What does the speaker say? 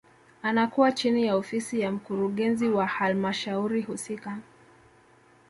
Anakuwa chini ya ofisi ya mkurugenzi wa halmashauri husika